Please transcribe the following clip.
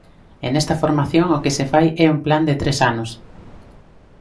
E nesta formación o que se fai é un plan de tres anos.